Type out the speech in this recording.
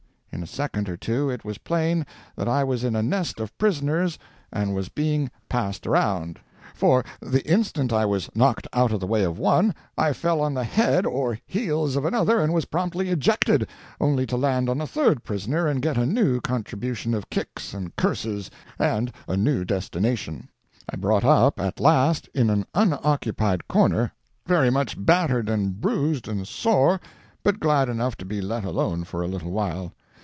In a second or two it was plain that I was in a nest of prisoners and was being "passed around"—for the instant I was knocked out of the way of one I fell on the head or heels of another and was promptly ejected, only to land on a third prisoner and get a new contribution of kicks and curses and a new destination. I brought up at last in an unoccupied corner, very much battered and bruised and sore, but glad enough to be let alone for a little while.